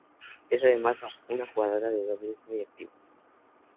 Es además una jugadora de dobles muy activa.